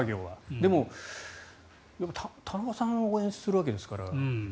でも、田中さんを応援するわけですから。